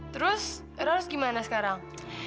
terus era harus gimana sekarang